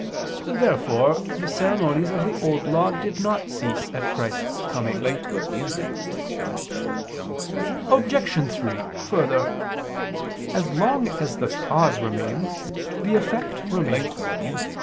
Therefore the ceremonies of the Old Law did not cease at Christ's coming. Obj. 3: Further, as long as the cause remains, the effect remains.